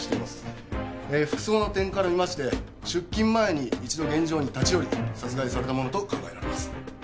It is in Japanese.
服装の点から見まして出勤前に一度現場に立ち寄り殺害されたものと考えられます。